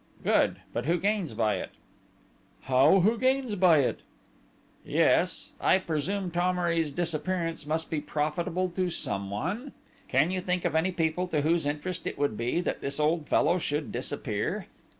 "Good, but who gains by it?" "How, who gains by it?" "Yes. I presume Thomery's disappearance must be profitable to someone? Can you think of any people to whose interest it would be that this old fellow should disappear?"